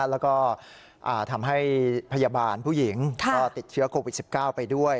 แล้วก็ทำให้พยาบาลผู้หญิงก็ติดเชื้อโควิด๑๙ไปด้วย